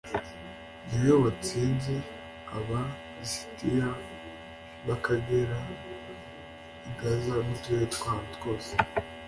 Ni we watsinze Aba lisitiya b kugera i Gaza n uturere twaho twose